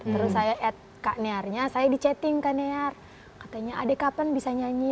terus saya add kak kaniarnya saya di chatting kak kaniar katanya adek kapan bisa nyanyi